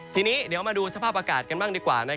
ทีนี้เดี๋ยวมาดูสภาพอากาศกันบ้างดีกว่า